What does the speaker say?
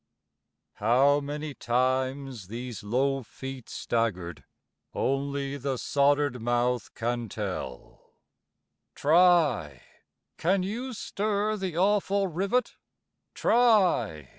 How many times these low feet staggered, Only the soldered mouth can tell; Try! can you stir the awful rivet? Try!